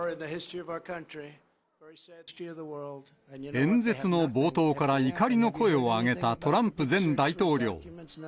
演説の冒頭から怒りの声を上げたトランプ前大統領。